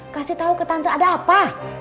kasih tahu ke tante ada apa